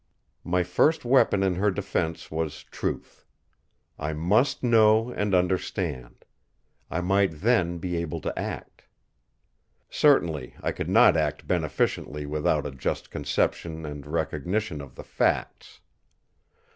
My first weapon in her defence was truth. I must know and understand; I might then be able to act. Certainly, I could not act beneficently without a just conception and recognition of the facts.